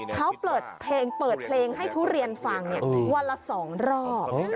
เขาเปิดเพลงให้ทุเรียนฟังวันละสองรอบ